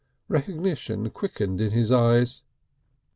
Recognition quickened in his eyes.